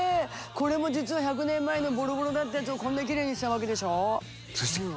これも実は１００年前のボロボロだったやつをこんなきれいにしたわけでしょ。